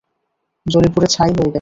জ্বলেপুড়ে ছাই হয়ে গেছে।